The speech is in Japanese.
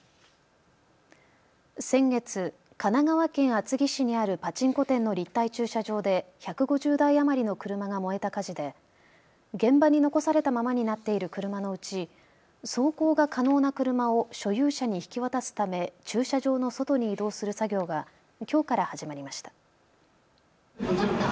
先月、神奈川県厚木市にあるパチンコ店の立体駐車場で１５０台余りの車が燃えた火事で現場に残されたままになっている車のうち、走行が可能な車を所有者に引き渡すため駐車場の外に移動する作業がきょうから始まりました。